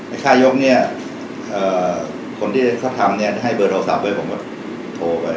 ค่ายกเนี่ยคนที่เขาทำเนี่ยให้เบอร์โทรศัพท์ไว้ผมก็โทรไป